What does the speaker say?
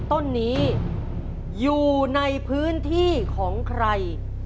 ต้นนี้อยู่ในพื้นที่ของใคร